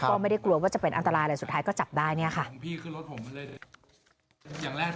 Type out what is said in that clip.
ก็ไม่ได้กลัวว่าจะเป็นอันตรายเลยสุดท้ายก็จับได้เนี่ยค่ะ